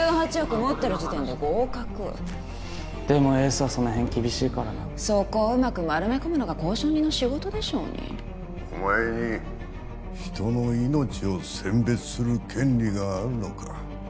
持ってる時点で合格でもエースはそのへん厳しいからなそこをうまく丸め込むのが交渉人の仕事でしょうにお前に人の命を選別する権利があるのか？